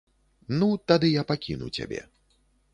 Ну, тады я пакіну цябе.